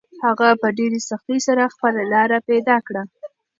هغه په ډېرې سختۍ سره خپله لاره پیدا کړه.